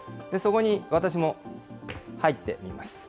そこに私も入ってみます。